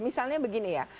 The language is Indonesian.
misalnya begini ya